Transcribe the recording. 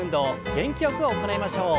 元気よく行いましょう。